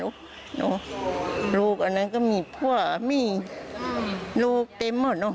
หือเขาก็อยู่ก่อนดีก็มีพ่อมีลูกเต็มหมดนู้น